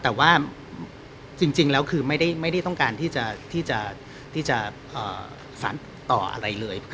แต่ว่าจริงแล้วคือไม่ได้ไม่ได้ต้องการที่จะที่จะที่จะสารต่ออะไรเลย